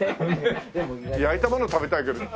焼いたもの食べたいけど。